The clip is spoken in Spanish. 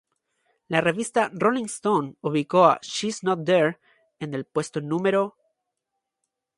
La revista "Rolling Stone" ubicó a "She's Not There" en el puesto No.